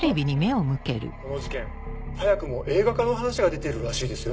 この事件早くも映画化の話が出てるらしいですよ。